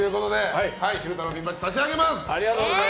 昼太郎ピンバッジ差し上げます！